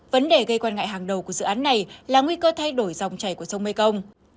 vấn đề gây quan ngại hàng đầu của dự án này là nguy cơ thay đổi dòng chảy của sông mekong